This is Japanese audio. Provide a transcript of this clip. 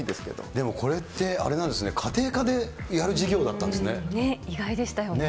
でもこれって、あれなんですね、家庭科でやる授業だったんで意外でしたよね。